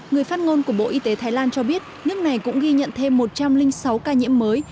người phát ngôn của bộ y tế thái lan cho biết nước này cũng ghi nhận thêm một trăm linh sáu ca nhiễm mới